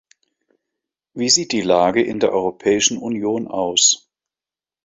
Wie sieht die Lage in der Europäischen Union aus?